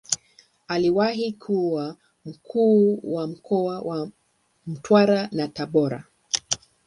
Aliwahi kuwa Mkuu wa mkoa wa Mtwara na Tabora.